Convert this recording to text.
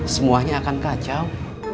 semuanya akan kacau